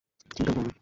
চিন্তাও করো না।